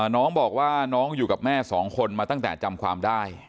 น้องบอกว่าน้องอยู่กับแม่สองคนมาตั้งแต่จำความได้